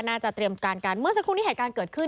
เตรียมการกันเมื่อสักครู่นี้เหตุการณ์เกิดขึ้น